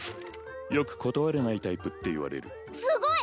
よく断れないタイプって言われるすごい！